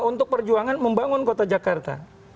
untuk perjuangan membangun kota jakarta